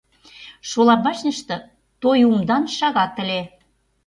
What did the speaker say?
Шола башньыште той умдан шагат ыле.